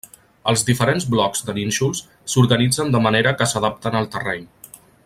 Els diferents blocs de nínxols s'organitzen de manera que s'adapten al terreny.